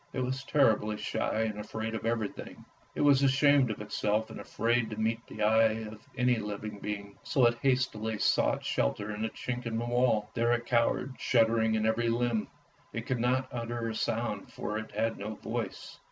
It was terribly shy and afraid of everything. It was ashamed of itself and afraid to meet the eye of any living being, so it hastily sought shelter in a chink in the wall. There it cowered, shuddering in every limb; it could not utter a sound, for it had no voice.